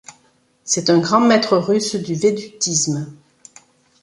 C'est un grand maître russe du védutisme.